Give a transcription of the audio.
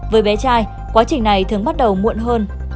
với bé trai quá trình này thường bắt đầu muộn hơn